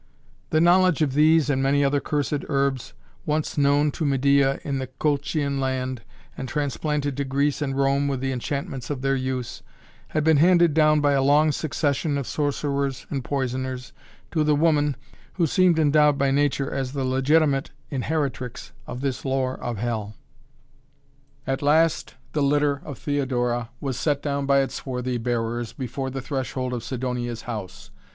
The knowledge of these and many other cursed herbs, once known to Medea in the Colchian land, and transplanted to Greece and Rome with the enchantments of their use, had been handed down by a long succession of sorcerers and poisoners to the woman, who seemed endowed by nature as the legitimate inheritrix of this lore of Hell. At last the litter of Theodora was set down by its swarthy bearers before the threshold of Sidonia's house.